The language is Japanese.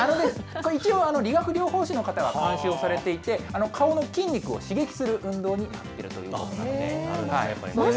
これ、一応、理学療法士の方が監修をされていて、顔の筋肉を刺激する運動になっているということなんです。